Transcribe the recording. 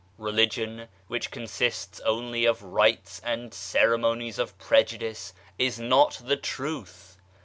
Religion which consists only of rites and ceremonies of prejudice is not the Truth.